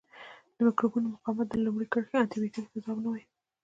د مکروبونو مقاومت د لومړۍ کرښې انټي بیوټیکو ته ځواب نه وایي.